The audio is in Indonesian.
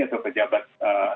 atau pejabat sosial